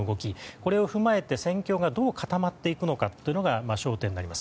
これを踏まえて戦況がどう固まっていくかが焦点になります。